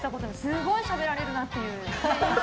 すごいしゃべられるなっていう。